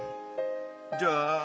じゃあ。